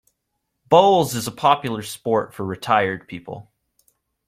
Bowls is a popular sport for retired people